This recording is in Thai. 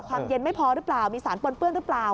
ความเย็นไม่พอหรือเปล่ามีสารปนเปื้อนหรือเปล่า